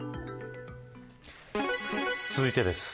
続いてです。